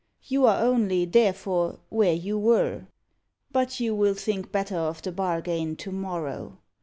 "You are only, therefore, where you were. But you will think better of the bargain to morrow.